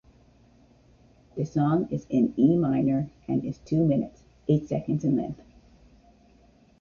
The song is in E minor, and is two minutes, eight seconds in length.